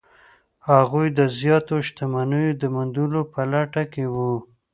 هغوی د زیاتو شتمنیو د موندلو په لټه کې وو.